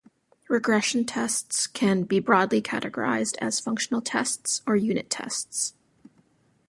Regression tests can be broadly categorized as functional tests or unit tests.